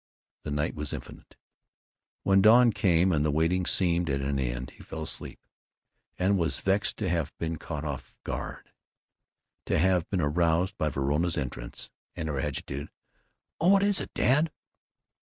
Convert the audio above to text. The night was infinite. When dawn came and the waiting seemed at an end, he fell asleep, and was vexed to have been caught off his guard, to have been aroused by Verona's entrance and her agitated "Oh, what is it, Dad?"